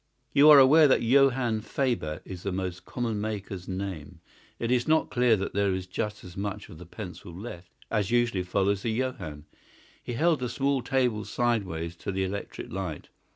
You are aware that Johann Faber is the most common maker's name. Is it not clear that there is just as much of the pencil left as usually follows the Johann?" He held the small table sideways to the electric light.